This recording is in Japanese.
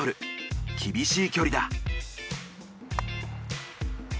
厳しい距離だ。